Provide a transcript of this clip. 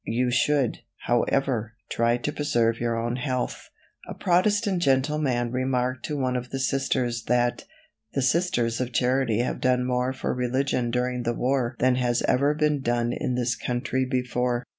You should, however, try to preserve your own health." A Protestant gentleman remarked to one of the Sisters that "the Sisters of Charity have done more for religion during the war than has ever been done in this country before."